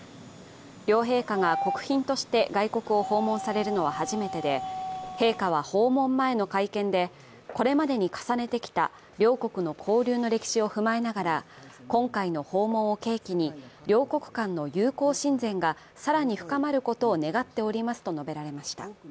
両陛下が国賓として外国を訪問されるのは初めてで陛下は訪問前の会見でこれまでに重ねてきた両国の交流の歴史を踏まえながら、今回の訪問を契機に、両国間の友好親善が更に深まることを願っておりますと述べられました。